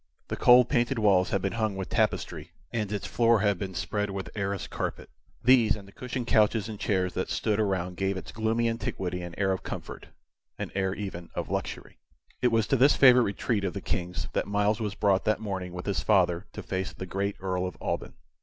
The cold painted walls had been hung with tapestry, and its floor had been spread with arras carpet. These and the cushioned couches and chairs that stood around gave its gloomy antiquity an air of comfort an air even of luxury. It was to this favorite retreat of the King's that Myles was brought that morning with his father to face the great Earl of Alban.